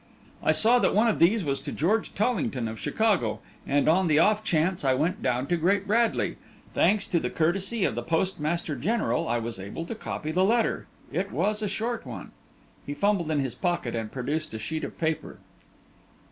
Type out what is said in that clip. I saw that one of these was to George Tollington of Chicago, and on the off chance I went down to Great Bradley. Thanks to the courtesy of the Postmaster General I was able to copy the letter. It was a short one." He fumbled in his pocket and produced a sheet of paper.